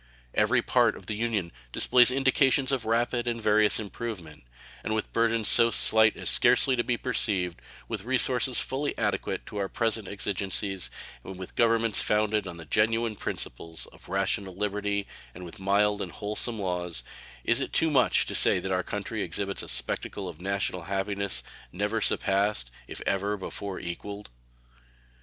Every part of the Union displays indications of rapid and various improvement; and with burthens so light as scarcely to be perceived, with resources fully adequate to our present exigencies, with governments founded on the genuine principles of rational liberty, and with mild and wholesome laws, is it too much to say that our country exhibits a spectacle of national happiness never surpassed, if ever before equaled?